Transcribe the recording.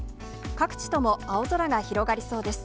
各地とも青空が広がりそうです。